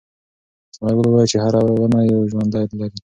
ثمر ګل وویل چې هره ونه یو ژوند لري.